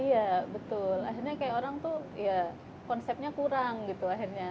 iya betul akhirnya kayak orang tuh ya konsepnya kurang gitu akhirnya